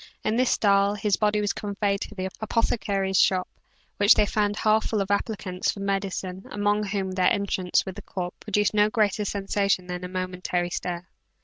In this style his body was conveyed to the apothecary's shop which they found half full of applicants for medicine, among whom their entrance with the corpse produced no greater sensation than a momentary stare.